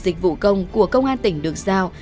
dịch vụ công của công an tỉnh đường giao